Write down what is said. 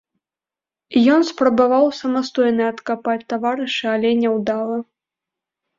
Ён спрабаваў самастойна адкапаць таварыша, але няўдала.